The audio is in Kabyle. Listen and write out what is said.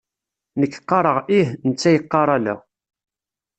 Nekk qqareɣ ih, netta yeqqar ala.